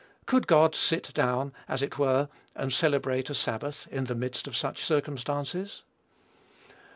Could God sit down, as it were, and celebrate a sabbath in the midst of such circumstances?